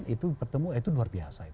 itu bertemu itu luar biasa